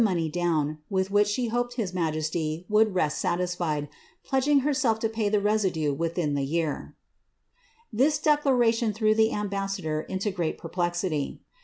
money down, with which she hoped his majesty would rest edging herself to pjiy the resi(hie within the year/" laration threw the ambassador into great perplexity.